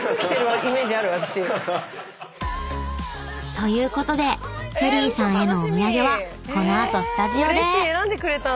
［ということでＳＨＥＬＬＹさんへのお土産はこの後スタジオで！］